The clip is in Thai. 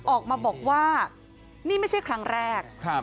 ออกมาบอกว่านี่ไม่ใช่ครั้งแรก